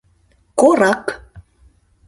КОРАК